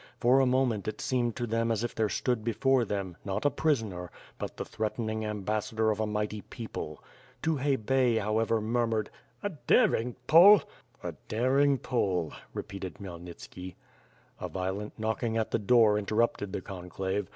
For a moment it seemed to them as if there stood before them, not a prisoner, but the threatening ambassador of a mighty peo ple. Tukhay Bev, however, murmured: "A daring Pole!" "A daring Pole!" repeated Khmyelnitski. A violent knocking at the door interrupted the conclave.